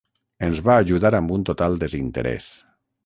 Ens va ajudar amb un total desinterès.